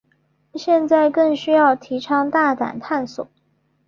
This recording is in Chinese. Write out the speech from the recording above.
现在更需要提倡大胆探索。